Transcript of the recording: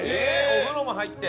お風呂も入って。